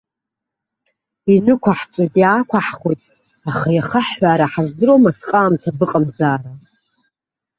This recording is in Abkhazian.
Инықәаҳҵоит, иаақәаҳхуеит, аха иахаҳҳәаара ҳаздыруам асҟаамҭа быҟамзаара.